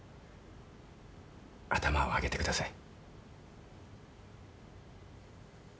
頭を上げてください。